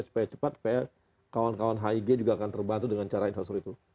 supaya cepat supaya kawan kawan hig juga akan terbantu dengan cara infrastruktur itu